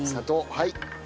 はい。